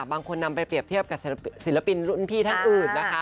นำไปเปรียบเทียบกับศิลปินรุ่นพี่ท่านอื่นนะคะ